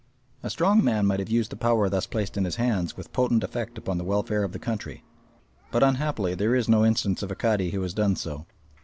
A strong man might have used the power thus placed in his hands with potent effect upon the welfare of the country, but unhappily there is no instance of a Cadi who has done so.